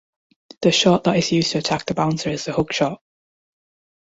The shot that is used to attack the bouncer is the hook shot.